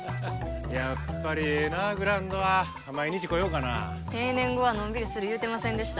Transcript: やっぱりええなグラウンドは毎日来ようかな定年後はのんびりする言うてませんでした？